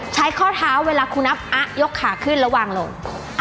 ข้อเท้าเวลาครูนับอะยกขาขึ้นแล้ววางลง